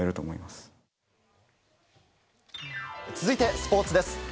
続いて、スポーツです。